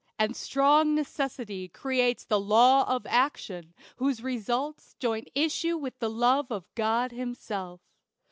and strong necessity Creates the law of action, whose results Join issue with the love of God himself.